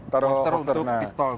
taruh holster untuk pistol